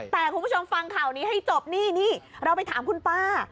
แต่คุณผู้ชมฟังข่าวนี้ให้จบนี่นี่เราไปถามคุณป้า